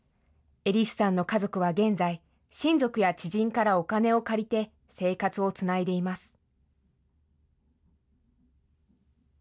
エリスさんの家族は現在、親族や知人からお金を借りて、生活をつないでいます。